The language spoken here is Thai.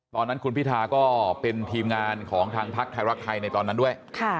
ตอนนั้นคุณพิธาก็เป็นทีมงานของทางพักไทยรักไทยในตอนนั้นด้วย